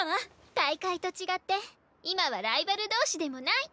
大会と違って今はライバル同士でもない。